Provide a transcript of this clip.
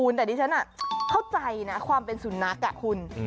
แต่ที่ฉันเข้าใจความเป็นสุนัข